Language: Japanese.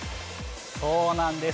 そうなんです。